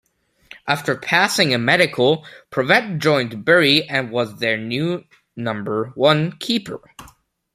After passing a medical, Provett joined Bury and was their new number one keeper.